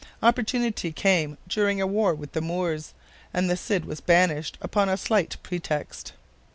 Opportunity came during a war with the Moors, and the Cid was banished upon a slight pretext.